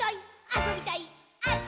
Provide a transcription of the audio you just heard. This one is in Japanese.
あそびたいっ！！」